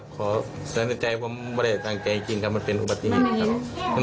ขอแสนใจผมว่าจะตามใจจริงมันเป็นอุปัติฮิตครับ